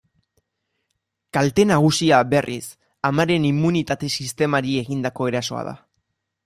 Kalte nagusia, berriz, amaren immunitate-sistemari egindako erasoa da.